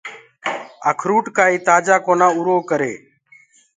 اکروُٽ ڪآئي تآجآ ڪونآ اُرو ڪري۔